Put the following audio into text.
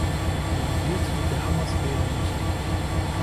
Man wird mit der Hamas reden müssen.